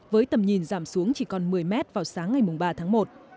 với tầm nhìn giảm xuống chỉ còn một mươi mét vào sáng ngày ba tháng một